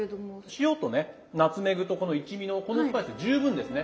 塩とねナツメグとこの一味のこのスパイスで十分ですね。